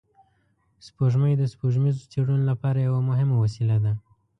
سپوږمۍ د سپوږمیزو څېړنو لپاره یوه مهمه وسیله ده